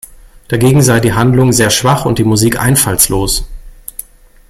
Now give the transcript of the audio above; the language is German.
Dagegen sei die Handlung sehr schwach und die Musik einfallslos.